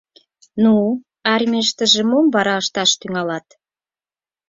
— Ну, армийыштыже мом вара ышташ тӱҥалат?